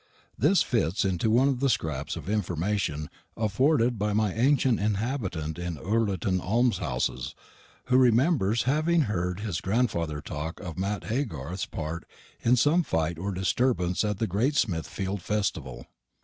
This fits into one of the scraps of information afforded by my ancient inhabitant in Ullerton Almshouses, who remembers having heard his grandfather talk of Mat Haygarth's part in some fight or disturbance at the great Smithfield festival.